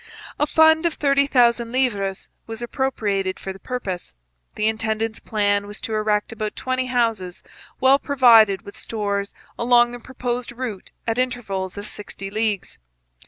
A fund of thirty thousand livres was appropriated for the purpose. The intendant's plan was to erect about twenty houses well provided with stores along the proposed route at intervals of sixty leagues.